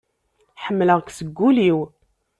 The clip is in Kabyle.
Ḥemleɣ-k seg ul-iw.